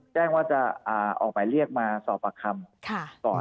แจ้งว่าจะออกไปเรียกมาสอบปากคำ